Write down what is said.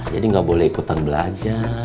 jadi gak boleh ikutan belajar